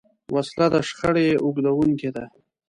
وسله د شخړې اوږدوونکې ده